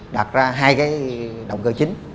đặt ra hai cái động cơ chính